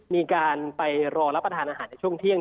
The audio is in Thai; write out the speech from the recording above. มีการไปรอรับประทานอาหารในช่วงเที่ยง